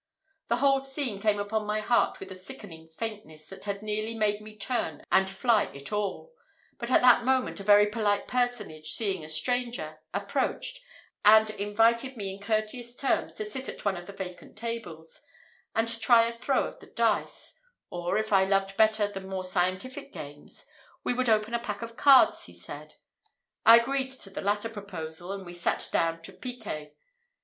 The whole scene came upon my heart with a sickening faintness that had nearly made me turn and fly it all; but at that moment a very polite personage, seeing a stranger, approached, and invited me in courteous terms to sit at one of the vacant tables, and try a throw of the dice; or, if I loved better the more scientific games, we would open a pack of cards, he said. I agreed to the latter proposal, and we sat down to piquet.